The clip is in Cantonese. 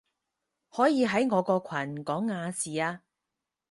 可以喺我個群講亞視啊